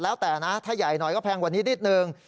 แล้วแต่นะถ้าใหญ่หน่อยก็แพงกว่านี้นิดนึง